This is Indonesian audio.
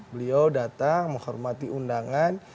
beliau datang menghormati undangan